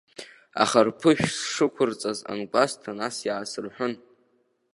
Аха рԥышә сшықәырҵаз ангәасҭа, нас иаасырҳәын.